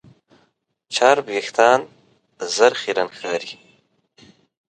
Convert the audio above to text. چرب وېښتيان ژر خیرن ښکاري.